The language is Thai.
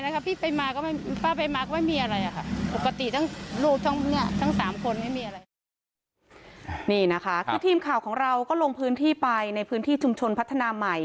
นี่นะคะคือทีมข่าวของเราก็ลงพื้นที่ไปในพื้นที่ชุมชนพัฒนาใหม่